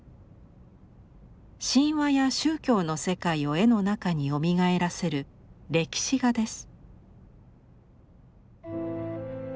神話や宗教の世界を絵の中によみがえらせる歴史画です。